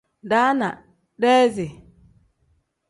Daana pl: deezi n.